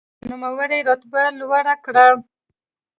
نوموړي رتبه لوړه کړه.